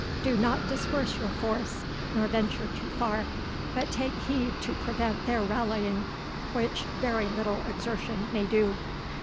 Do not disperse your force, nor venture too far; but take heed to prevent their rallying, which very little exertion may do.